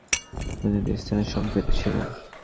তিনি বাংলাদেশ আওয়ামী লীগের রাজনীতির সাথে সম্পৃক্ত ছিলেন।